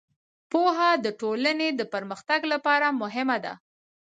پوهه د ټولنې د پرمختګ لپاره مهمه ده.